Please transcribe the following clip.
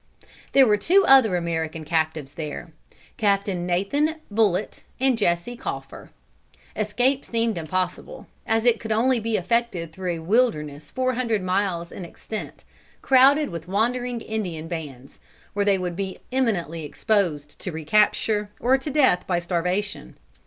There were two other American captives there, Captain Nathan Bullit and Jesse Coffer. Escape seemed impossible, as it could only be effected through a wilderness four hundred miles in extent, crowded with wandering Indian bands, where they would be imminently exposed to recapture, or to death by starvation.